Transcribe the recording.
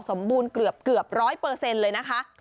สมบูรณ์เกือบ๑๐๐เลยนะคะ